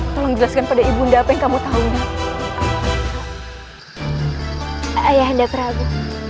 tolong jelaskan pada ibu dinda apa yang kamu tahu